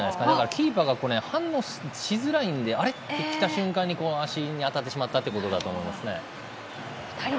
キーパーが反応しづらいのであれ？って来た瞬間に足に当たってしまったということだと思います。